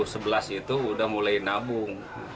sebelum dua ribu sebelas itu sudah mulai nabung